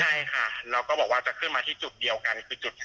ใช่ค่ะแล้วก็บอกว่าจะขึ้นมาที่จุดเดียวกัน